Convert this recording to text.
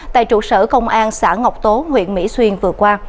tại trụ sở công an xã ngọc tố huyện mỹ xuyên vừa qua